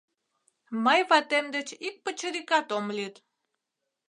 Мый ватем деч ик пычырикат ом лӱд...